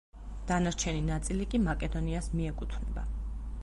დანარჩენი ნაწილი კი მაკედონიას მიეკუთვნება.